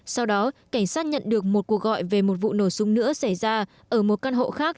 sau đó cảnh sát nhận được một cuộc gọi về một vụ nổ súng nữa xảy ra ở một căn hộ khác